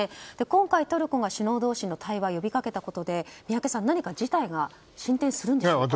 今回、トルコが首脳同士の対話を呼びかけたことで、宮家さん何か事態は進展するのでしょうか。